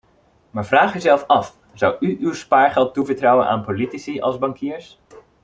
Maar vraag uzelf af, zou u uw spaargeld toevertrouwen aan politici als bankiers?